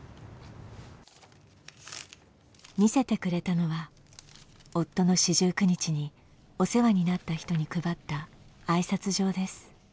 見せてくれたのは夫の四十九日にお世話になった人に配った挨拶状です。